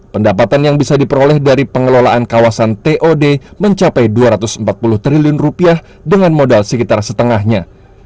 pendapatan yang bisa diperoleh dari pengelolaan kawasan tod mencapai rp dua ratus empat puluh triliun dengan modal sekitar setengahnya